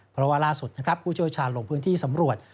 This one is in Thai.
เพราะว่าล่าสุดนะครับผู้เชี่ยวชาญลงพื้นที่สำรวจ